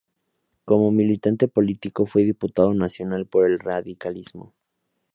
Como militante político fue Diputado Nacional por el radicalismo.